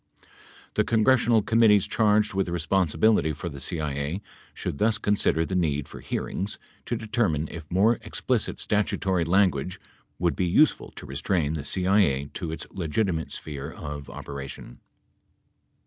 The congressional committees charged with re sponsibility for the CIA should thus consider the need for hearings to determine if more explicit statutory language would be useful to restrain the CIA to its legitimate sphere of operation.